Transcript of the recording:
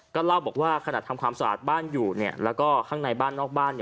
ก็เล่าบอกว่าขนาดทำความสะอาดบ้านอยู่แล้วก็ข้างในบ้านนอกบ้าน